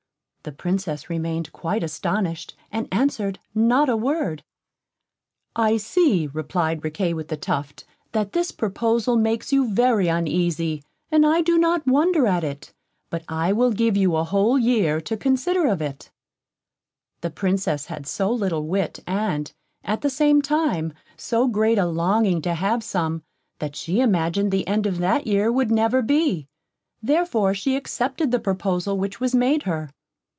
The Princess remained quite astonished, and answered not a word. [Illustration: "THE PRINCE BELIEVED HE HAD GIVEN HER MORE WIT THAN HE HAD RESERVED FOR HIMSELF"] "I see," replied Riquet with the Tuft, "that this proposal makes you very uneasy, and I do not wonder at it, but I will give you a whole year to consider of it." The Princess had so little wit, and, at the same time, so great a longing to have some, that she imagined the end of that year would never be; therefore she accepted the proposal which was made her.